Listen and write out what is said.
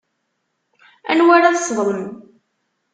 Anwa ara tesseḍlem?